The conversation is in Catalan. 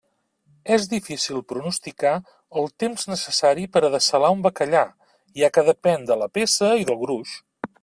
És difícil pronosticar el temps necessari per a dessalar un bacallà, ja que depèn de la peça i del gruix.